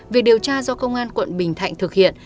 việc điều tra do công an quận bình thạnh thực hiện